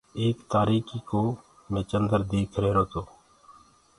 ايڪ تآريڪي ڪوُ مي چندر ديکرو تو۔